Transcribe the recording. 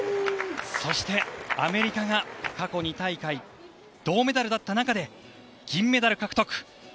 そして、アメリカが過去２大会、銅メダルだった中で銀メダル獲得。